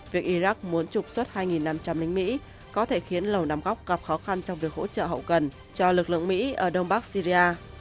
việc iraq muốn trục xuất hai năm trăm linh lính mỹ có thể khiến lầu nam góc gặp khó khăn trong việc hỗ trợ hậu cần cho lực lượng mỹ ở đông bắc syria